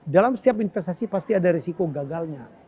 dalam setiap investasi pasti ada risiko gagalnya